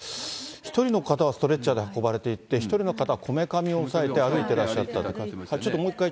１人の方はストレッチャーで運ばれていって、１人の方はこめかみを押さえて歩いてらっしゃったって。